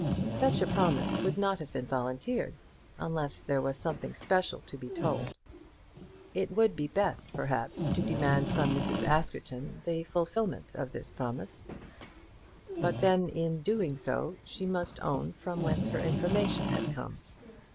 Such a promise would not have been volunteered unless there was something special to be told. It would be best, perhaps, to demand from Mrs. Askerton the fulfilment of this promise. But then in doing so she must own from whence her information had come.